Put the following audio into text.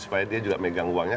supaya dia juga megang uangnya